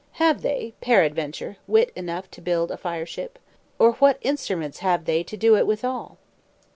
Have they, peradventure, wit enough to build a fire ship? Or what instruments have they to do it withal?'"